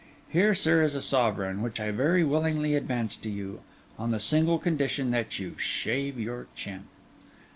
Here, sir, is a sovereign; which I very willingly advance to you, on the single condition that you shave your chin.